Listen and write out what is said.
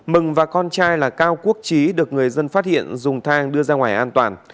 mừng và con trai là cao quốc trí được người dân phát hiện dùng thang đưa ra ngoài an toàn